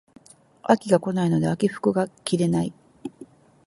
秋が来ないので秋服が着れない